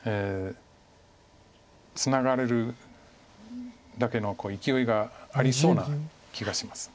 ツナがれるだけのいきおいがありそうな気がします。